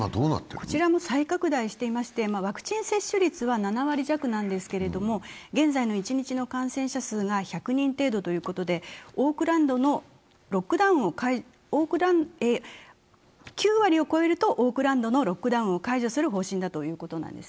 こちらも再拡大していましてワクチン接種率は７割弱なんですが、現在の一日の感染者数が１００人程度ということで９割を超えるとオークランドのロックダウンを解除する方針ということです。